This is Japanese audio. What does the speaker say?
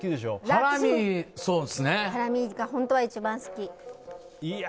ハラミが本当は一番好き。